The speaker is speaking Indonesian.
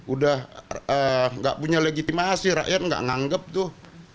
udah gak punya legitimasi rakyat nggak nganggep tuh